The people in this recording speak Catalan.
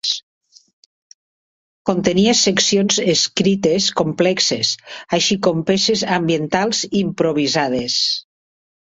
Contenia seccions escrites complexes, així com peces ambientals improvisades.